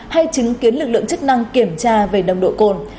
hay chứng kiến lực lượng chức năng kiểm tra về nồng độ cồn